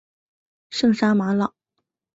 圣沙马朗。